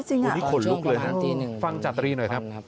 วันนี้ขนลุกเลยฮะฟังจาตรีหน่อยครับ